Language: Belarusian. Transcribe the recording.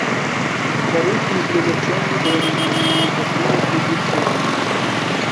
Карысны для лячэння бронхаў, асабліва для дзяцей.